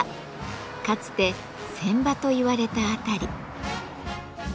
かつて船場といわれた辺り。